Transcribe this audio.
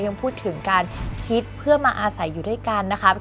ยังพูดถึงการคิดเพื่อมาอาศัยอยู่ด้วยกันนะคะ